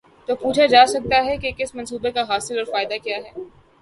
تو پوچھا جا سکتا ہے کہ اس منصوبے کاحاصل اور فائدہ کیا ہے؟